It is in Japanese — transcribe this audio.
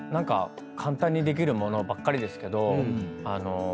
簡単にできる物ばっかりですけど。